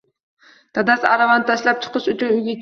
Dadasi aravani tashlab chiqish uchun uyga ketdi.